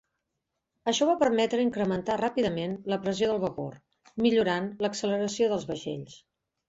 Això va permetre incrementar ràpidament la pressió del vapor, millorant l'acceleració dels vaixells.